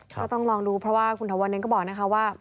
ก็ต้องลองดูเพราะว่าคุณถวันเองก็บอกนะคะว่า